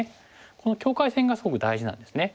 この境界線がすごく大事なんですね。